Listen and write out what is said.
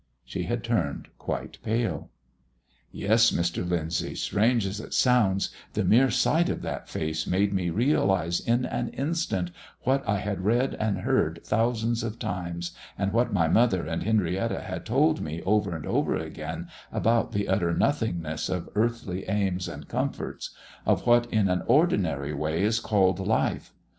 She had turned quite pale. "Yes, Mr. Lyndsay, strange as it sounds, the mere sight of that face made me realise in an instant what I had read and heard thousands of times, and what my mother and Henrietta had told me over and over again about the utter nothingness of earthly aims and comforts of what in an ordinary way is called life.